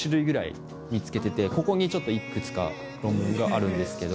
ここにちょっといくつか論文があるんですけど。